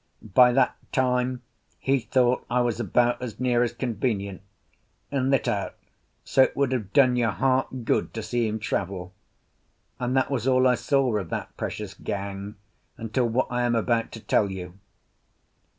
By that time he thought I was about as near as convenient, and lit out so it would have done your heart good to see him travel. And that was all I saw of that precious gang until what I am about to tell you.